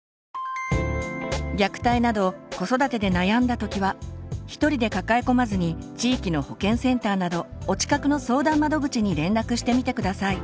虐待など子育てで悩んだときは一人で抱え込まずに地域の保健センターなどお近くの相談窓口に連絡してみて下さい。